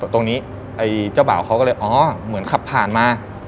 ตรงนี้ไอ้เจ้าบ่าวเขาก็เลยอ๋อเหมือนขับผ่านมา